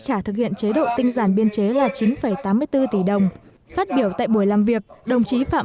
trả thực hiện chế độ tinh giản biên chế là chín tám mươi bốn tỷ đồng phát biểu tại buổi làm việc đồng chí phạm